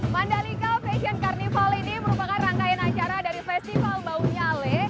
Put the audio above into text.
mandalika fashion carnival ini merupakan rangkaian acara dari festival bau nyale